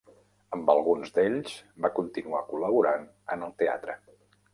Amb alguns d'ells va continuar col·laborant en el teatre.